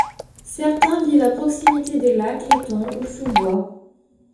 Certains vivent à proximité des lacs, étangs ou sous-bois.